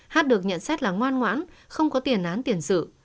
hát được nhận xét là ngoan ngoãn không có tiền án tiền sự